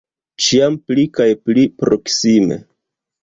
Ĉiam pli kaj pli proksime.